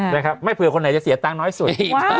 นะครับไม่เผื่อคนไหนจะเสียตังค์น้อยสุด